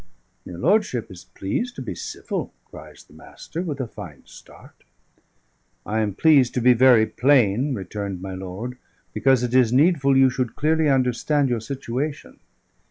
"Your lordship is pleased to be civil," cries the Master, with a fine start. "I am pleased to be very plain," returned my lord; "because it is needful you should clearly understand your situation.